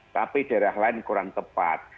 tapi daerah lain kurang tepat